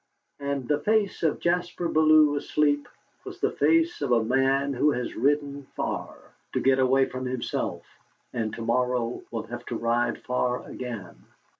And the face of Jaspar Bellew asleep was the face of a man who has ridden far, to get away from himself, and to morrow will have to ride far again.